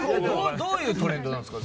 どういうトレンドなんですか？